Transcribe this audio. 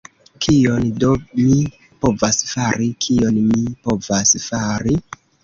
Kion do mi povas fari, kion mi povas fari?